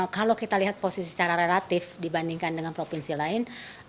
kalau kita lihat posisi secara relatif dibandingkan dengan provinsi lain